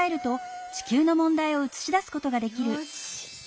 よし。